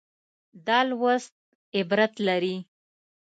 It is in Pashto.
دا لوست عبرت لري.